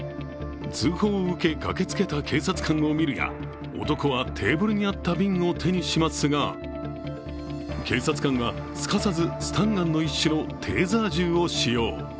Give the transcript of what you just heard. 通報を受け、駆けつけた警察官を見るや、男はテーブルにあった瓶を手にしますが警察官はすかさずスタンガンの一種のテーザー銃を使用。